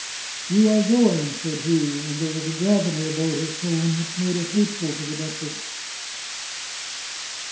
" You are going !" said he, and there was a gfravity about his tone which made it hateful to the duchess.